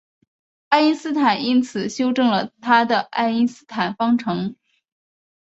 爱因斯坦因此修正了他的爱因斯坦方程。